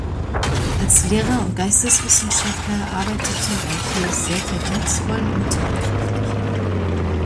Als Lehrer und Geisteswissenschaftler arbeitete er hier sehr verdienstvoll und tatkräftig.